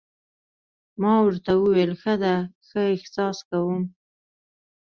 ما ورته وویل: ښه ده، ښه احساس کوم.